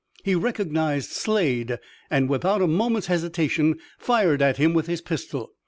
He recognized Slade, and, without a moment's hesitation, fired at him with his pistol.